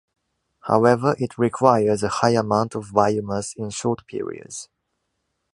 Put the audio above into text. However, it requires a high amount of biomass in short periods.